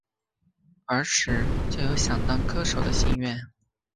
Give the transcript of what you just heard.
儿时就有想当歌手的心愿。